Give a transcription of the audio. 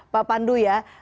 pak pandu ya